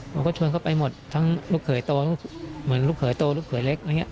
มันก็ชวนเข้าไปหมดทั้งลูกเขยโตเหมือนลูกเขยโตลูกเขยเล็กอย่างนี้